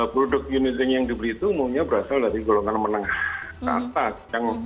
produk unit link yang dibeli itu umumnya berasal dari golongan menengah atas